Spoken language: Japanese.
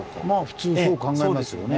普通そう考えますよね。